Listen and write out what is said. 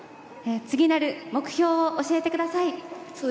次なる目標を教えてください。